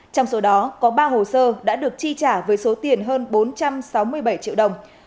trong số đó có ba hồ sơ đã được chi trả với số tiền hơn bốn trăm sáu mươi bảy triệu đồng